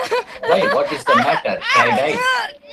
‘Why, what is the matter?’ cried I.